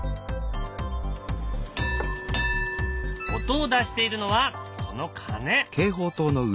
音を出しているのはこの鐘。